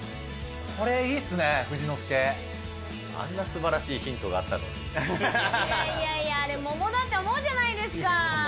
これいいっすね、あんなすばらしいヒントがあいやいやいや、あれ、桃だって思うじゃないですか。